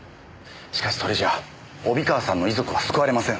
しかしそれじゃあ帯川さんの遺族は救われません。